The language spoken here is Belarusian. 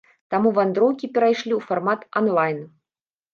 Таму вандроўкі перайшлі ў фармат анлайн.